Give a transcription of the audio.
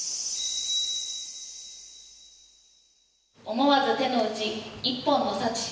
「思わず手の内一本の幸」。